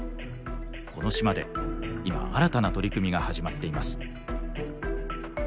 この島で今新たな取り組みが始まっています。